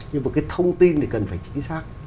nhưng mà cái thông tin thì cần phải chính xác